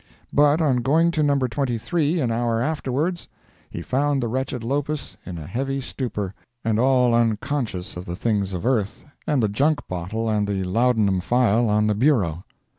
But on going to No. 23 an hour afterwards, he found the wretched Lopus in a heavy stupor, and all unconscious of the things of earth, and the junk bottle and the laudanum phial on the bureau.